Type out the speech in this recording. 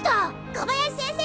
小林先生